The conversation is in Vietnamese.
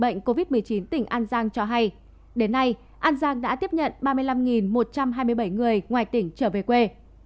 bệnh covid một mươi chín tỉnh an giang cho hay đến nay an giang đã tiếp nhận ba mươi năm một trăm hai mươi bảy người ngoài tỉnh trở về quê